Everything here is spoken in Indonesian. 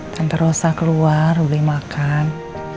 tante rossa keluar boleh makan